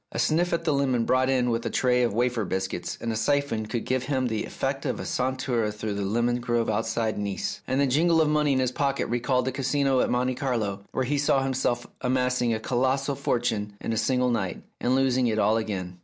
A sniff at the lemon brought in with a tray of wafer biscuits and a siphon could give him the effect of a saunter through the lemon groves outside Nice, and the jingle of money in his pocket recalled the Casino at Monte Carlo, where he saw himself amassing a colossal fortune in a single night, and losing it all again.